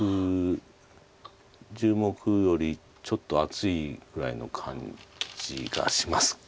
１０目よりちょっと厚いぐらいの感じがしますけど。